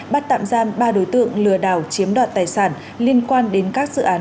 bắt tạm giam ba đối tượng lừa đảo chiếm đoạt tài sản liên quan đến các dự án